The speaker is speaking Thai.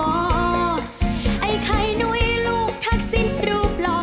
ไอ้ไข่หนุ้ยลูกถักสิ้นปลูกหล่อ